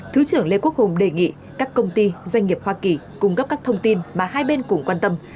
thứ trưởng lê quốc hùng đề nghị các công ty doanh nghiệp hoa kỳ cung cấp các thông tin mà hai bên cùng quan tâm